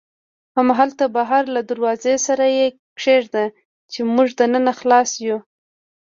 همالته بهر له دروازې سره یې کېږدئ، چې موږ دننه خلاص یو.